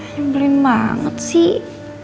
nyembelin banget sih